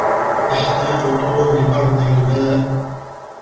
يحتاج توم لبعض الماء.